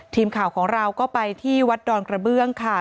ทีมข่าวของเราก็ไปที่วัดดอนกระเบื้องค่ะ